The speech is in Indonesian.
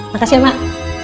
makasih ya mak